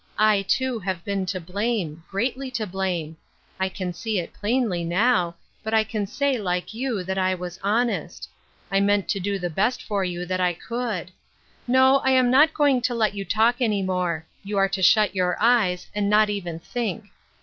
I, too, have been to blame — greatly to blame ; I can see it plainly now, but I can say, like you, that I was honest. I meant to do the best for you that I could. No, I am not going to let you talk any more ; you are to shut your eyes, and not even think.